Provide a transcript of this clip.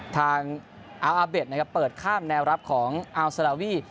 ทางแอลอาร์เบชเปิดข้ามแนวรับของอัลศัลวี